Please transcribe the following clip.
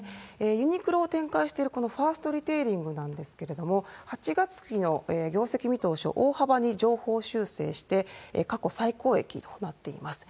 ユニクロを展開してる、このファーストリテイリングなんですけれども、８月期の業績見通しを大幅に上方修正して、過去最高益となっています。